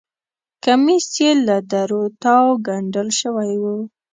کمیس یې له درو تاوو ګنډل شوی و.